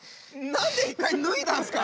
何で一回脱いだんすか？